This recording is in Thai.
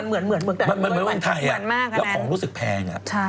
อื้อมันเหมือนเว้นไทยแล้วของรู้สึกแพง